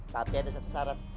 tapi ada satu syarat